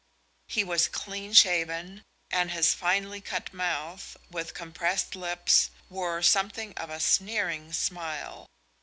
He was clean shaven, and his finely cut mouth, with compressed lips, wore something of a sneering smile.